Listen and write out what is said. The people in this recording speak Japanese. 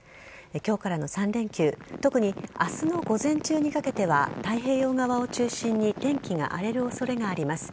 今日からの３連休特に明日の午前中にかけては太平洋側を中心に天気が荒れる恐れがあります。